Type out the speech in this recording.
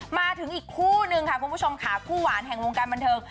มาถึงอีกคู่นึงค่ะคุณผู้ชมค่ะคู่หวานแห่งวงการบันเทิง